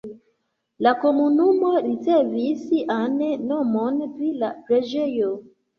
La komunumo ricevis sian nomon pri la preĝejo.